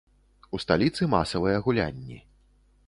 У сталіцы масавыя гулянні.